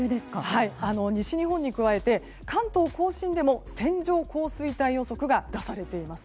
西日本に加えて、関東・甲信でも線状降水帯予測が出されています。